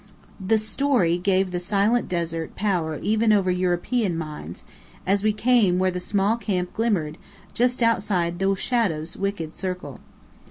This story gave the silent desert power even over European minds, as we came where the small camp glimmered, just outside the Shadow's wicked circle.